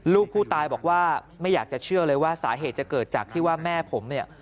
ลูกผู้ตายบอกว่าไม่อยากจะเชื่อเลยว่าสาเหตุจะเกิดจากที่ว่าแม่ผมเนี่ย